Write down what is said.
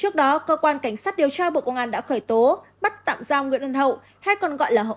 trước đó cơ quan cảnh sát điều tra bộ công an đã khởi tố bắt tạm giam nguyễn văn hậu hay còn gọi là hậu